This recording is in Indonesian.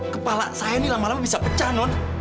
kepala saya ini lama lama bisa pecah non